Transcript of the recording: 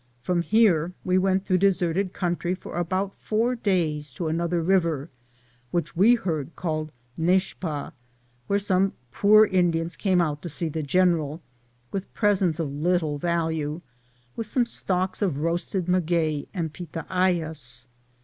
From here we went through. deserted country for about four days to an other river, which we heard called Nexpa, where some poor Indians came out to Bee the general, with presents of little value, with some stalks of roasted maguey and pitahayas.